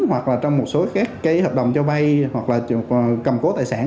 hoặc là trong một số các hợp đồng cho bay hoặc là cầm cố tài sản